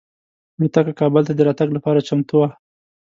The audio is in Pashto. الوتکه کابل ته د راتګ لپاره چمتو وه.